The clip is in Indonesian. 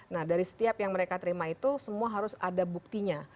nah dari setiap yang mereka terima itu semua harus ada buktinya